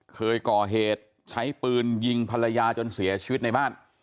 เคยก่อเหตุใช้ปืนยิงภรรยาจนเสียชีวิตในบ้าน